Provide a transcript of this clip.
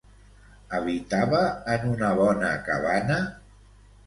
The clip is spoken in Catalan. Habitava en una bona cabana?